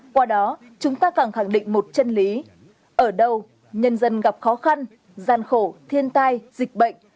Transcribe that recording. qua đó chúng ta càng khẳng định một chân lý ở đâu nhân dân gặp khó khăn gian khổ thiên tai dịch bệnh